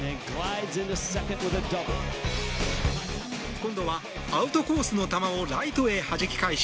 今度はアウトコースの球をライトへはじき返し